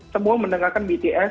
semua mendengarkan bts